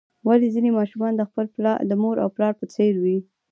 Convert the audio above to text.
ولې ځینې ماشومان د خپل مور او پلار په څیر وي